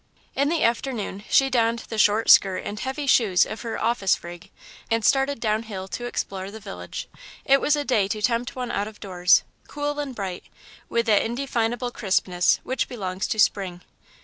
In the afternoon she donned the short skirt and heavy shoes of her "office rig," and started down hill to explore the village. It was a day to tempt one out of doors, cool and bright, with that indefinable crispness which belongs to Spring.